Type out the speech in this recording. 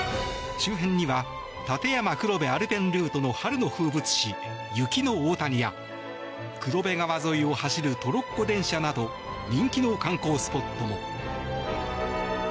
周辺には立山黒部アルペンルートの春の風物詩、雪の大谷や黒部川沿いを走るトロッコ電車など人気の観光スポットも。